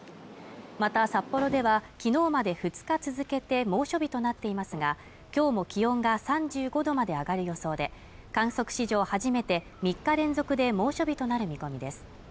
また札幌ではきのうまで２日続けて猛暑日となっていますがきょうも気温が３５度まで上がる予想で観測史上初めて３日連続で猛暑日となる見込みです